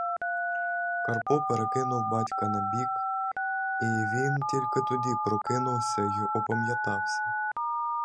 Карпо перекинув батька на бік, і він тільки тоді прокинувся й опам'ятався.